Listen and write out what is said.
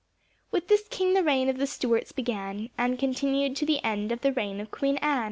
With this king the reign of the Stuarts began, And continued to the end of the reign of Queen Ann.